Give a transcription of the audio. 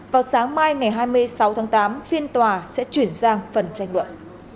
vào sáng mai ngày hai mươi sáu tháng tám phiên tòa sẽ chuyển sang phần tranh luận